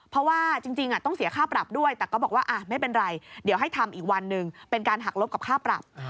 เพราะว่าจริงต้องเสียค่าปรับด้วยแต่ก็บอกว่าไม่เป็นไรเดี๋ยวให้ทำอีกวันหนึ่งเป็นการหักลบกับค่าปรับ